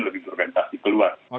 lebih berorientasi keluar